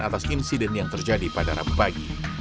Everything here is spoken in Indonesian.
atas insiden yang terjadi pada rabu pagi